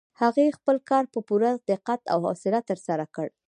هغې خپل کار په پوره دقت او حوصله ترسره کړ.